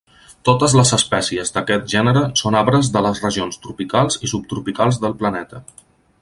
Totes les espècies d'aquest gènere són arbres de les regions tropicals i subtropicals del planeta.